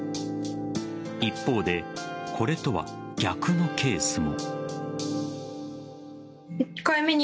一方で、これとは逆のケースも。